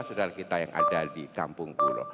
saudara kita yang ada di kampung pulo